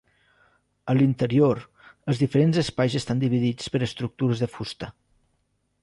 A l'interior, els diferents espais estan dividits per estructures de fusta.